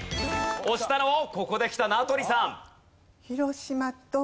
押したのはここできた名取さん。